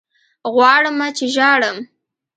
غواړمه چې ژاړم